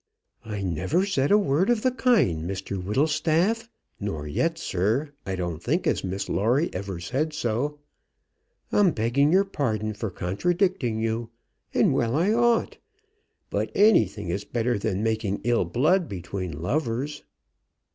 "I never said a word of the kind, Mr Whittlestaff; nor yet, sir, I don't think as Miss Lawrie ever said so. I'm begging your pardon for contradicting you, and well I ought. But anything is better than making ill blood between lovers."